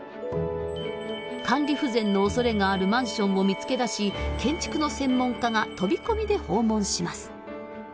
管理不全のおそれがあるマンションを見つけ出し建築の専門家が飛び込みで訪問します。